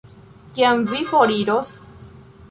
Kiam vi foriros?